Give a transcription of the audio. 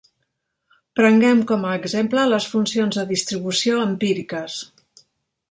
Prenguem com a exemple les funcions de distribució empíriques.